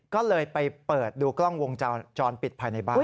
ก็เลยไปเปิดดูกล้องวงจรปิดภายในบ้าน